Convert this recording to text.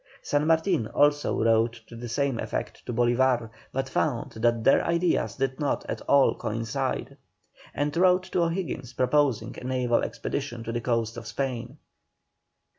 San Martin also wrote to the same effect to Bolívar, but found that their ideas did not at all coincide. And wrote to O'Higgins proposing a naval expedition to the coasts of Spain.